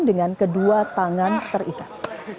dengan kedua tangan terikat